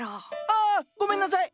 あごめんなさい。